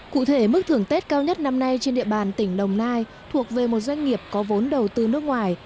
cụ thể mức thưởng tết cao nhất năm nay trên địa bàn tỉnh đồng nai thuộc về một doanh nghiệp có vốn đầu tư nước ngoài